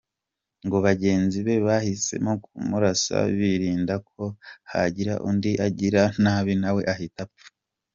Ngo bagenzi be bahisemo kumurasa birinda ko hagira undi agirira nabi nawe ahita apfa.